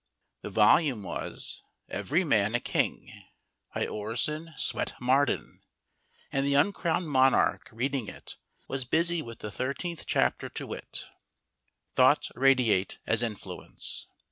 The volume was "Every Man a King," by Orison Swett Marden, and the uncrowned monarch reading it was busy with the thirteenth chapter, to wit: "Thoughts Radiate as Influence."